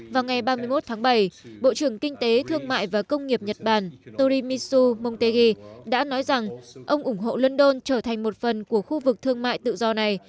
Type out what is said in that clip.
vào ngày ba mươi một tháng bảy bộ trưởng kinh tế thương mại và công nghiệp nhật bản torimitsu montegi đã nói rằng ông ủng hộ london trở thành một phần của khu vực thương mại tự do này